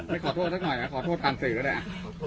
ไม่ขอโทษสักหน่อยขอโทษภัณฑ์สื่อเลย